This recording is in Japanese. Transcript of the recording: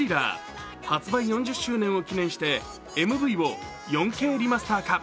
発売４０周年を記念してＭＶを４Ｋリマスター化。